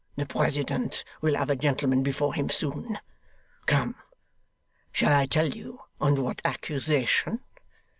The President will have a gentleman before him soon. Come! Shall I tell you on what accusation?